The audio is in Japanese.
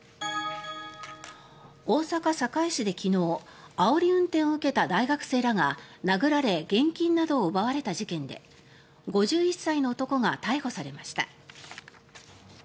大阪・堺市で昨日あおり運転を受けた大学生らが殴られ現金などを奪われた事件で５１歳の男が逮捕されました。